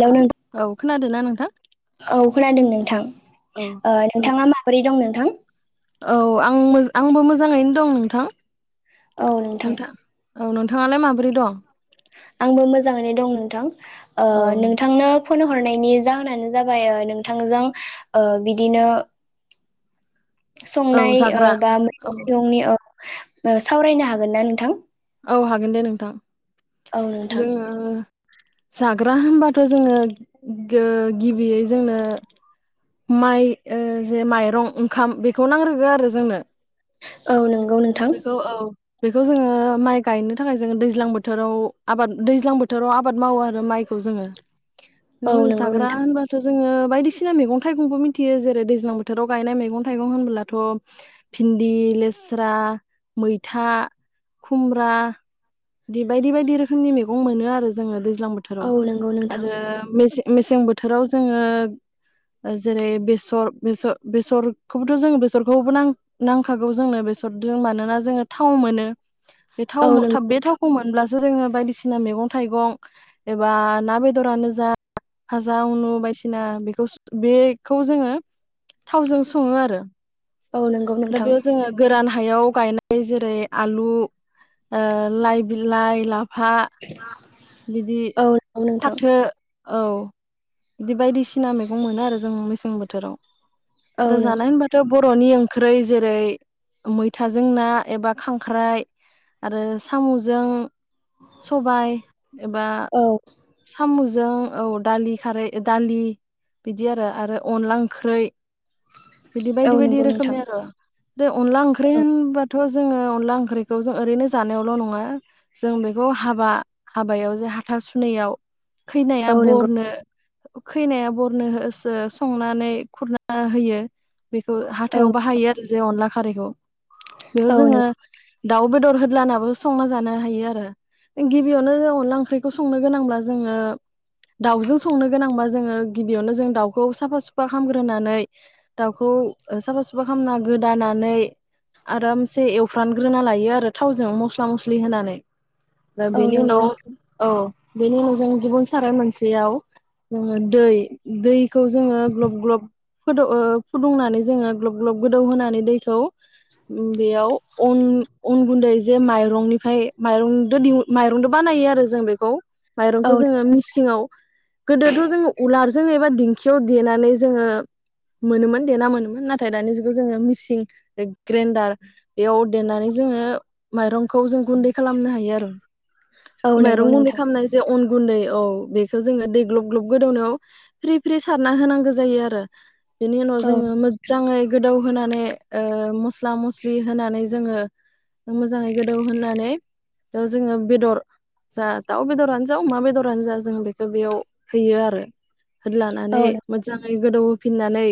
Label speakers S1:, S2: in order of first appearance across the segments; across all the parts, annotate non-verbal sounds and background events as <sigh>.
S1: Hello नों
S2: औ खोनादोंना नोंथां
S1: औ खोनादों नोंथां
S2: औ
S1: ओ नोंथाङा माबोरै दं नों थां
S2: औ आं मो आंबो मोजाङैनो दं नोंथां
S1: औ नोंथां
S2: नोंथा औ नं थाङालाय माबोरै दं।
S1: आंबो मोजाङैनो दं नोंथां ओ
S2: औ
S1: नोंथांनो फन हरनायनि जाहोनानो जाबाय नोंथांजों ओ बिदिनो
S2: औ
S1: संनाय ओ
S2: जाग्रा
S1: बा
S2: औ
S1: मैगं-थाइगंनि ओ सावरायनो हागोन ना नोंथां
S2: औ हागोन दे नोंथां
S1: औ नोंथां
S2: जोङो जाग्रा होनबाथ' जोङो ओ गिबियै जोंनो माइ ओ जे माइरं ओंखाम बेखौ नांग्रोगौ आरो जोंनो
S1: औ नों
S2: बेखौ औ बेखौ जोङो माइ गायनो थाखाय जोङो दैज्लां बोथोराव आबाद दैज्लां बोथोराव आबाद मावो आरो माइखौ जोङो।
S1: औ
S2: नों
S1: नंगौ
S2: जाग्रा
S1: नोंथां
S2: होनबाथ' जोङो। बायदिसिना मैगं थाइगंखौ मिथियो जेरै दैज्लां बोथोराव गायनाय मैगं थाइगं होनबोब्लाथ' फिन्दि, लेस्रा मैथा, खुमब्रा बि बायदि बायदि रोखोमनि मैगं मोनो आरो जोङो दै ज्लां बोथोराव
S1: औ नंगौ नोंथां
S2: आरो मेसे मेसें बोथोराव जोङो जेरै बेसर बेसर बेसरखौबोथ' जों बेसरखौबो नां-नांखागौ जोंनो बेसर जों मानोना जोङो थाव मोनो। बे थाव
S1: औ
S2: मोन बे
S1: नंगौ
S2: थावखौ मोनब्ला जोङो बायदिसिना मैगं-थाइगं एबा ना बेदरानो जा फाजा उनु बायदिसिना बेखौ बेखौ जोङो थावजों सङो आरो
S1: औ नंगौ
S2: दा
S1: नोंथां
S2: बेयाव जोङो गोरान हायाव गायनाय जेरै आलु, ओ लाइ बिलाइ, ला
S1: <inaudible>
S2: बिदि
S1: औ नंगौ नोंथां
S2: फाथो औ बिबायदि सिना मैगं मोनो आरो जों गोजां बोथोराव
S1: औ
S2: आरो जानाय
S1: नंगौ
S2: होनबाथ' बर बर'नि ओंख्रै जेरै मैथाजों ना एबा खांख्राइ आरो साम'जों सबाइ एबा
S1: औ
S2: साम'जों औ दालि खारै दालि बिदि आरो आरो अनला ओंख्रै बिदि
S1: औ
S2: बायदि बायदि
S1: नंगौ नोंथां
S2: रोखोमनि आरो। बे अनला ओंख्रि
S1: औ
S2: होनबाथ' थ' जोङो अनला ओंख्रिखौ जों ओरैनो जानायावल' नङा जों बेखौ हाबा हाबायाव जे हाथा सुनैयाव खैनाया
S1: औ नंगौ
S2: बरनो खैनाया बरनो होसो संनानै खुरना होयो। बेखौ
S1: औ
S2: हाथायाव बाहायो आरो जे अनला खारैखौ बेयाव
S1: औ
S2: जोङो
S1: नंगौ
S2: दाउ बेदर होद्लानाबो संना जानो हायो आरो। गिबियावनो जों अनला ओंख्रिखौ संनो गोनांब्ला जोङो दाउजों संनो गोनांबा जोङो गिबियावनो जों दाउखौ साफा सुफा खालामग्रोनानै दाउखौ साफा सुफा खालामना गोदानानै आरामसे एवफ्रानग्रोना लायो आरो थावजों मस्ला मस्लि होनानै।
S1: औ
S2: बेनि
S1: नंगौ
S2: उनाव
S1: नोंथां
S2: औ बेनि उनाव जों गुबुन साराइ मोनसेयाव जोङो दै, दैखौ जोङो ग्ल'ब ग्ल'ब फुदु ओ फुदुंनानै जोङो ग्लब ग्लब गोदौ होनानै दैखौ बेयाव अन अन गुन्दै जे माइरंनिफ्राय माइरं दे दिहु माइरंदो बानायो आरो जों बेखौ।
S1: औ
S2: माइरंखौ जोङो मिसिङाव गोदोथ' जोङो उलार जों एबा दिंखियाव देनानै जोङो मोनोमोन देना मोनोमोन नाथाय दानि जुगाव जोङो मिसिं ग्रेन्डार बेयाव देनानै जोङो माइरंखौ जों गुन्दै खालामनो हायो आरो।
S1: औ नंगौ
S2: माइरं गुन्दै
S1: नोंथां
S2: खालामनाय जे अन गु गुन्दै औ बेखौ जोङो दै ग्ल'ब ग्ल'ब गोदौनायाव फ्रि फ्रि सारना होनांगौ जायो आरो। बेनि उनाव
S1: औ
S2: जोङो मोजजाङै गोदौ होनानै ओ मस स्ला मस्लि होनानै ज जोङो मोजाङै गोदौ होननानै बेदर जा दाउ बेदरानो जा अमा बेदरानो जा जों बेखौ बेयाव होयो आरो।
S1: औ
S2: होद्लानानै मोजाङै गोदौ फिननानै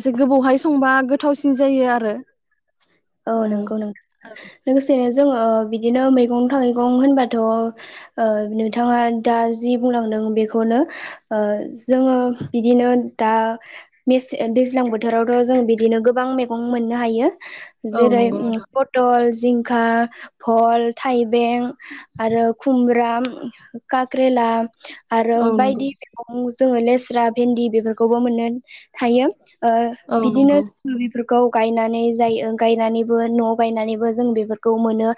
S2: एसे गोबावहाय संबा गोथावसिन जायो आरो।
S1: औ नंगौ नोंथां लोगोसे जोङो बिदिनो मैगं थाइगं होनबाथ' ओ नोंथाङा दा जि बुंलांदों बेखौनो ओ जोङो बिदिनो दा मेसे दैज्लां बोथोरावथ' जों बिदिनो गोबां मैगं मोननो हायो।
S2: औ
S1: जेरै
S2: नंगौ
S1: ओम
S2: नोंथां
S1: पटलस जिंखा भल थाइबें आरो खुमब्रा काक्रेला आरो
S2: औ नंगौ
S1: बायदि मैगं जोङो लेस्रा भिन्दि बेफोरखौबो मोननो थायो। ओ
S2: औ
S1: बिदिनो
S2: नंगौ
S1: <inaudible> गाव गायनानै जायो ओ गायनानैबो न' गायनानैबो जों बेफोरखौ मोनो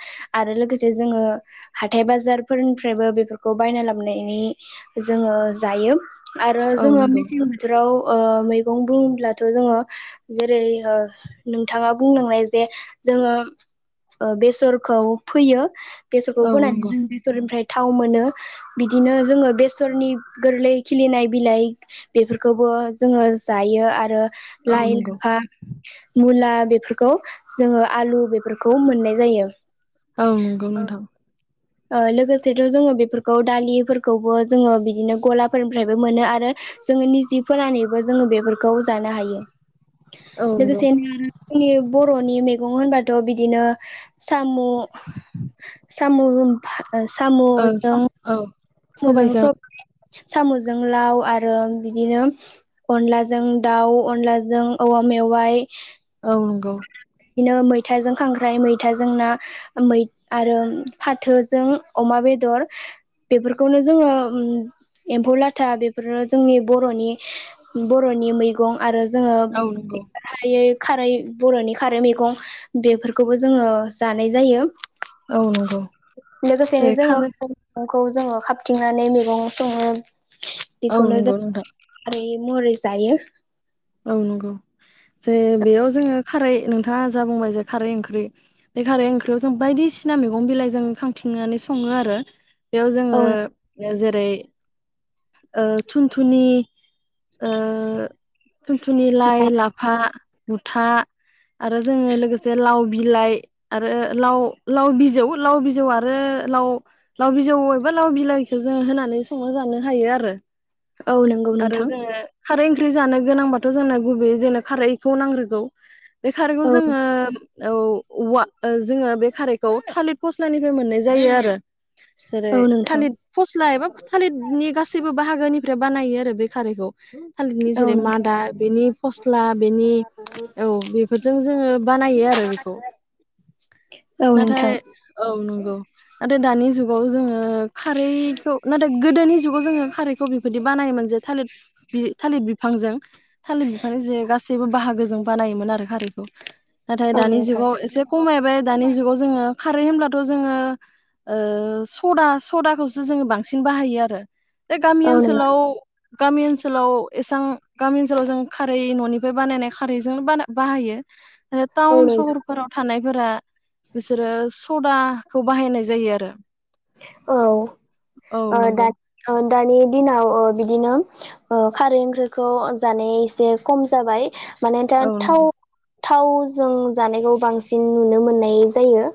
S1: आरो लोगोसे जोङो हाथाय बाजारफोरनिफ्रायबो बेफोरखौ बायना लाबोनानै जोङो जायो। आरो
S2: औ
S1: जोङो
S2: नंगौ
S1: मेसें बोथोराव ओ मैगं बुंङोब्लाथ' जोङो जेरै ओ नों बिथाङा बुंलांनाय जे जोङो ओ बेसरखौ फैयो। बेसरखौ
S2: औ
S1: फोनानै
S2: नंगौ
S1: जों बेसरनिफ्राय थाव मोनो बिदिनो जोङो बेसरनि गोरलै खिलिनाय बिलाइ बेफोरखौबो जोङो जायो आरो
S2: औ
S1: लाइ
S2: नंगौ
S1: लाफा मुला बेफोरखौ जोङो आलु बेफोरखौ मोननाय जायो।
S2: औ नंगौ नोंथां
S1: ओ लोगोसेथ' जोङो बेफोरखौ दालिफोरखौबो जोङो बिदिनो गलाफोरनिफ्रायबो मोनो आरो जोङो निजि फोनानैबो जोङो बेफोरखौ जानो हायो।
S2: औ नंगौ
S1: लोगोसेनो आरो जोंनि बर'नि मैगं होनबा थ बिदिनो साम साम ओ
S2: औ
S1: सामजों
S2: सम औ
S1: मोजां
S2: सबायजों
S1: सब साम'जों लाव आरो बिदिनो अनलाजों दाउ अनलाजों औवा मेवाइ
S2: औ नंगौ
S1: बिदिनो मैथाजों खांख्राइ मैथाजों ना मैआरो फाथोजों अमा बेदर बेफोरखौनो जोङो ओम एमफौ लाथा बे ओरैनो जोंनि बर'नि बर'नि मैगं आरो जोङो
S2: औ नंगौ
S1: हायै खारै बर'नि खारै मैगं बेफोरखौबो जोङो जानाय जायो।
S2: औ नंगौ दे
S1: लोगोसेनो जोङो
S2: खारै
S1: <unintelligible> खौ जोङो खााबथिंनानै मैगं सङो
S2: औ
S1: बेखौनो जों
S2: नंगौ नोंथां
S1: खारै मरै जायो
S2: औ नंगौ जे बेयाव जोङो खारै नोंथाङा जा बुंबाय जे खारै ओंख्रि बे खारै ओंख्रियाव जों बायदिसिना मैगं बिलाइजों खांथिंनानै सङो आरो बेयाव जोङो
S1: औ
S2: बेवाजेरै ओ थुन थुनि ओ थुनथुनि, लाइ,
S1: नोंथां
S2: लाफा मुथा आरो जोङो लोगोसे लाव बिलाइ आरो लाव, लाव बिजौ, लाव बिजौ आरो लाव, लाव बिजौ एबा लाव बिलाइखौ जोङो होनानै संना जानो हायो आरो।
S1: औ नोंगौ नोंथां।
S2: ख्रि जानो गोनांबाथ' जोंनो गुबै जोंनो खारैखौ नांग्रोगौ। बे खारैखौ
S1: औ
S2: जोङो औ औवा ओ जोङो बे खारैखौ थालिरि फस्लानिफ्राय मोननाय जायो आरो। जेरै
S1: औ नोंथां
S2: थालिर फस्ला एबा थालिरनि गासैबो बाहागोनिफ्राय बानायो आरो बे खारैखौ। थालिरनि
S1: औ
S2: जिरेमान
S1: नोंथां
S2: दा बेनि फस्ला बेनि औ बेफोरजों जोङो बानायो आरो बेखौ
S1: औ
S2: नाथाय
S1: नोंथां
S2: औ नोंगौ। नाथाय दानि जुगाव जोङो खारैखौ नाथाय गोदोनि जुगाव जोङो खारैखौ बेबायदि बानायोमोन जे थालिर बि थालिर बिफांजों। थालिर बिफानि जे गासैबो बाहागोजों बानायोमोन आरो। खारिखौ। नाथाय
S1: औ
S2: दानि
S1: नोंथां
S2: जुगाव एसे खमायबाय दानि जुगाव जोङो खारै होनब्लाथ' जोङो ओ सदा स सदाखौसो जोङो बांसिन बाहायो आरो। बे गामि
S1: औ नोंथां
S2: ओनसोलाव गामि ओनसोलाव एसां गामि ओनसोलाव जों खारै न'निफ्राय बानायनाय खारैजों बाना बाहायो। आरो
S1: औ
S2: टाउन
S1: नोंथां
S2: सहरफोराव थानायफोरा बिसोरो सदा खौ बाहायनाय जायो आरो।
S1: औ
S2: औ
S1: ओ दा
S2: नंगौ
S1: होन दानि दिनाव‌ ओ बिदिनो ओ खारै ओंख्रिखौ जानाया एसे खम जाबाय। माने दा
S2: औ
S1: थाव
S2: नंगौ
S1: थाव जों जानायखौ बांसिन नुनो मोननाय जायो।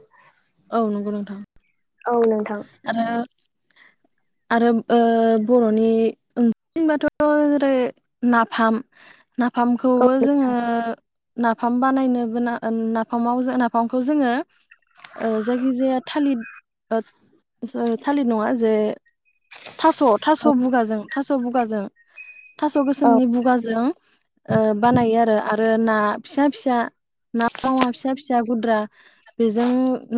S2: औ नंगौ नोंथां।
S1: औ नोंथां।
S2: आरो आरो ओ बर'नि ओंख्रि होनब्लाथ' जेरै नाफाम
S1: औ
S2: नाफामखौबो जोङो नाफाम बानायनोबो ना नाफामाव नाफामखौ जोङो ओ जायखिजाया थालिर थालिर नङा जे थास' थास' बुगाजों थास' थास बुगाजों थास'
S1: औ
S2: गोसोमनि बुगाजों ओ बानायो आरो आरो ना फिसा फिसा ना मावा फिसा फिसा गुद्रा बेजों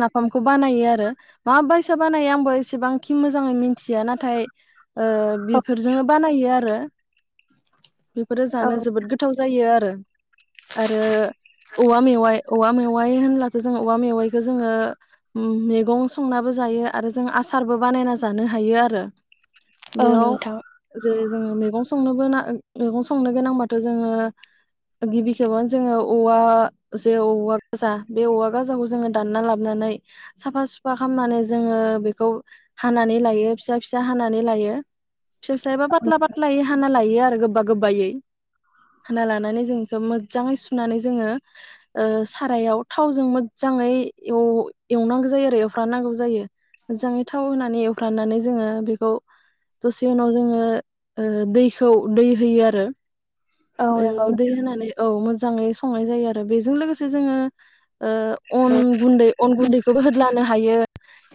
S2: नाफामखौ बानायो आरो मा बायसा बानायो आंबो एसेबांखि मोजाङै मिथिया ओ नाथाय बेफोरजोंनो बानायो आरो बेफोरो
S1: औ
S2: जानो जोबोद गोथाव जायो आरो आरो औवा मेवाइ औवा मेवाइ होनब्लाथो जों औवा मेवाइखौ जोङो मेगं संनाबो जायो आरो जों आसारबो बानायना जानो हायो आरो ।
S1: औ नोंथां ।
S2: जै जोङो मैगं संनोबोना ओं मैगं संनो गोनांबाथ' जोङो गिबि खेबनो जोङो औवा जे औवा गाजा बे औवा गाजाखौ जोङो दानना लाबोनानै साफास साफा खामनानै जोङो बेखौ हानानै लायो फिसा फिसा हानानै लायो फिसा सा एबा पाथला पाथलायै हाना लायो आरो गोबा गोबायै हाना लानानै जों बेखौ मोजाङै सुनानै जोङो ओ सारायाव थावजों मोजाङै एव-एवनांगौ जायो आरो फ्रानांगौ जायो मोजाङै थाव होनानै एवफ्रानानै जोङो बेखौ दसे उनाव जोङो ओ दैखौ दै होयो आरो । औ दै होनानै औ मोज मोजाङै संनाय जायो आरो बेजों लोगोसे जोङो ओ अन
S1: नोंथां
S2: गुन्दै अन गुन्दैखौबो होदलानो हायो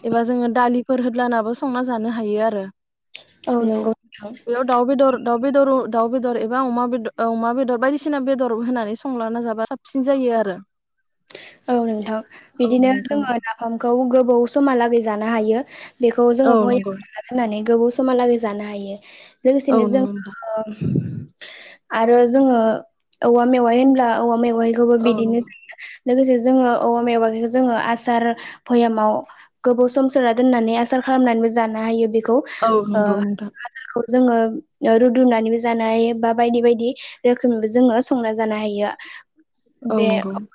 S2: एबा जोङो दालि फोर होदलानाबो संना जानो हायो आरो ।
S1: औ
S2: बेयाव
S1: नंगौ
S2: बेयाव दाव बेदर दाव बेदर' दाव बेदर एबा अमा बेदर औ अमा बेदर बायदिसिना बेदर होनानै संलाना जाबा साबफिन जायो आरो
S1: औ नोंथां
S2: औ
S1: बिदिनो
S2: नोंथां
S1: जोङो नाफामखौ गो बौ समहालागै जानो हायो बेखौ जोङो
S2: औ
S1: बयबो
S2: नंगौ
S1: जागोन होननानै गोबाव समहालागै जानो हायो
S2: औ
S1: लोगोसेनो जों
S2: नंगौ नोंथां
S1: ओ आरो जोङो औवा मेवाइ होनब्ला औवा मेव बयखौबो
S2: औ
S1: बिदिनो
S2: नंगौ
S1: सोंदो लोगोसे जोङो औवा मेवाइखौ जोङो आसार बयामाव गोबाव सम सोना दोननानै आसार खालामनानैबो जानो हायो बे खौ
S2: औ
S1: ओ
S2: नंगौ नोंथां
S1: हाथारखौ । जोङो रुदुनानैबो जानो हायो बा बायदि बायदि रोखोमैबो जोङो संना जानो हायो आ
S2: औ नंगौ ।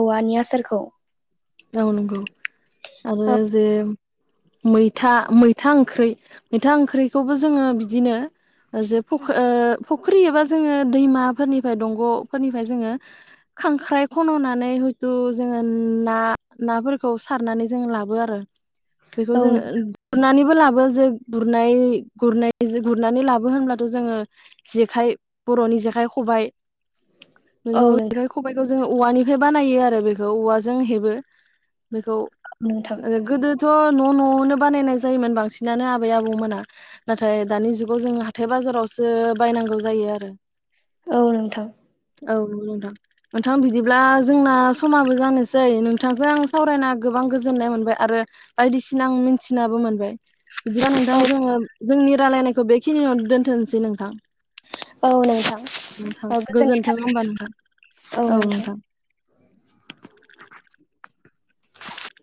S1: औवानि आसारखौ ।
S2: औ नोंगौ । आरो जे मैथा मैथा ओंख्रि मैथा ओंख्रिखौबो जोङो बिदिनो जे फुख ओ फख्रि एबा जोङो दैमाफोरनिफाय दंग'फोरनिफाय जोङो खांख्राइ खन'नानै हयथु जोङो ना नाफोरखौ सारनानै जों लाबो आरो । बेखौ
S1: औ
S2: जोङो गुनानिबो बो लाबो जो गुरनाय गुरनाय गुरनानै लाबो होनब्लाथ' जोङो जेखाइ बर'नि जेखाइ खबाइ
S1: औ
S2: नोंगौ
S1: नों
S2: जेखाय खबायखौ जों औवानिफ्राय बानायो आरो बेखौ औवाजों हेबो। बेखौ
S1: नोंथां
S2: ओ गोदो थ' न' न' आवनो बानायनाय जायोमोन बांसिनानो आबै आबौमोना नाथाय दानि जुगाव जों हाथाय बाजारावसो बायनांगौ जायो आरो।
S1: औ नोंथां।
S2: औ नोंगौ नोंथां बिदिब्ला जोंना समाबो जानोसै नों थांजों आं सावरायना गोबां गोजोननाय मोनबाय आरो बायदिसिना आं मिन्थिनाबो मोनबाय। बिदिबा नोंथां जोङो जोंनि रायलायनाय खो बेखिनियावनो दोन्थ'नसै नोंथां।
S1: औ नोंथां
S2: नोंथां
S1: औ गोजोनै
S2: गोजोन्थों होमबा नोंथां
S1: <unintelligible> औ नोंथां।